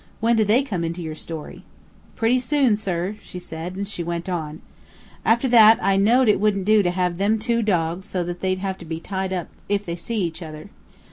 When do they come into your story?" "Pretty soon, sir," said she, and she went on: "After that, I know'd it wouldn't do to have them two dogs so that they'd have to be tied up if they see each other.